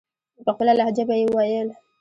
په خپله لهجه به یې ویل.